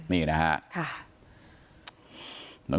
นี่นะฮะ